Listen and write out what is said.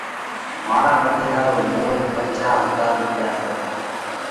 مارا ڳۮيڙا رو مُول پنجاه هزار رُوپِيا سئہ۔